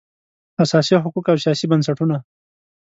اساسي حقوق او سیاسي بنسټونه